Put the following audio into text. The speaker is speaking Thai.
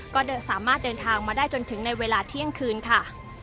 ก็สามารถเดินทางมาได้จนถึงในเวลาเที่ยงคืนค่ะ